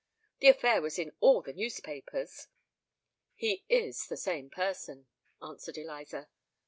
The affair was in all the newspapers." "He is the same person," answered Eliza.